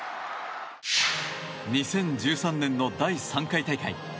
２０１３年の第３回大会。